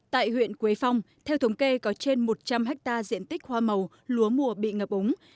tại huyện quế phong theo thống kê có trên một trăm linh hectare diện tích hoa màu lúa mùa bị ngập úng